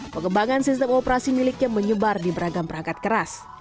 pengembangan sistem operasi miliknya menyebar di beragam perangkat keras